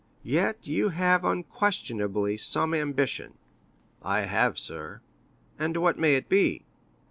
Yet you have unquestionably some ambition." "I have, sir." "And what may it be?"